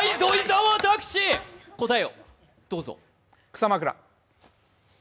「草枕」。